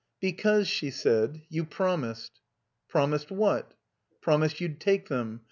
"Because," she said, "you promised." "Promised what?" "Promised you'd take them.